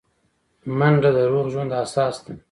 منډه د روغ ژوند اساس ده